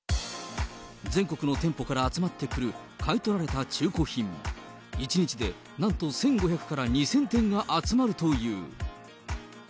全国の店舗から集まってくる買い取られた中古品、１日でなんと１５００から２０００点は集まるという。